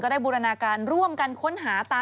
ก็ได้บูรณาการร่วมการค้นหา